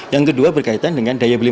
yang kedua berkaitan dengan daya beli